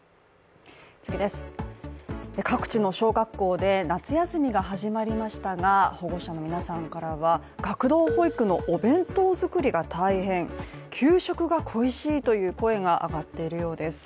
各地の小学校で夏休みが始まりましたが保護者の皆さんからは学童保育のお弁当作りが大変、給食が恋しいという声が上がっているようです